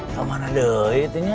gimana deh itunya